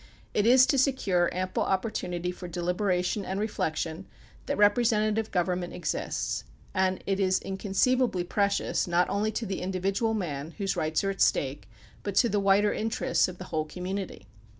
It is to secure ample opportunity for deliberation and reflection that representative government exists, and it is incon ceivably precious not only to the individual man, whose rights are at stake, but to the wider interests of the whole community.